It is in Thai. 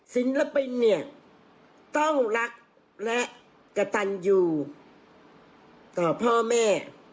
ศิลปินเนี่ยต้องรักและกระตันอยู่ต่อพ่อแม่